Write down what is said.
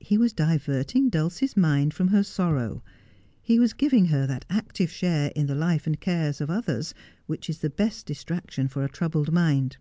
He was diverting Dulcie's mind from her sorrow ; he was giving r er that active share in the life and cares of others which is the best distraction for a troubled mind.